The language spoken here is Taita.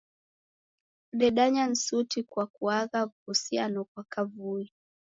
Kudedanya ni suti kwa kuagha w'uhusiano ghwa kavui.